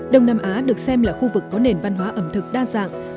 đông nam á được xem là khu vực có nền văn hóa ẩm thực đa dạng